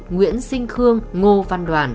nguyễn sinh khương ngô văn đoàn